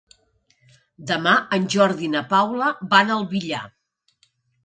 Demà en Jordi i na Paula van al Villar.